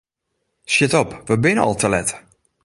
Sjit op, wy binne al te let!